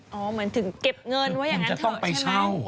เหมือนถึงเก็บเงินไว้อย่างนั้นเถอะใช่ไหม